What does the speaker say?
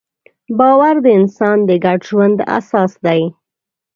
باور د انسان د ګډ ژوند اساس دی.